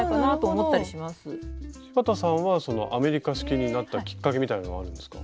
柴田さんはそのアメリカ式になったきっかけみたいなのはあるんですか？